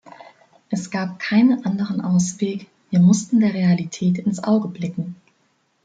Es gab keinen anderen Ausweg, wir mussten der Realität ins Auge blicken.